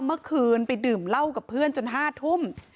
เมื่อคืนไปดื่มเหล้ากับเพื่อนจน๕ทุ่ม